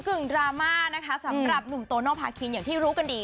่งดราม่านะคะสำหรับหนุ่มโตโนภาคินอย่างที่รู้กันดี